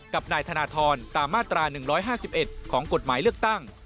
กับนายธนทรตามมาตรา๑๕๑ของกฎหมายเลือกตั้ง